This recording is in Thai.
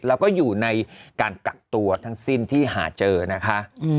แล้วก็อยู่ในการกักตัวทั้งสิ้นที่หาเจอนะคะ